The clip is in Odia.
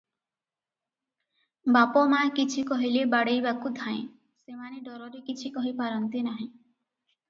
ବାପ ମା କିଛି କହିଲେ ବାଡ଼େଇବାକୁ ଧାଏଁ, ସେମାନେ ଡରରେ କିଛି କହି ପାରନ୍ତି ନାହିଁ ।